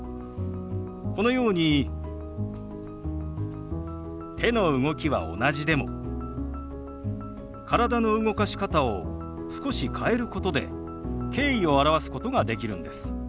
このように手の動きは同じでも体の動かし方を少し変えることで敬意を表すことができるんです。